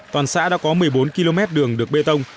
toàn xã đã có một mươi bốn km đường được bê tông